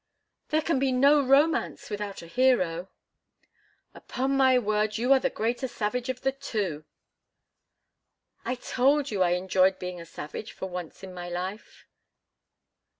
"There can be no romance without a hero." "Upon my word, you are the greater savage of the two!" "I told you I enjoyed being a savage for once in my life."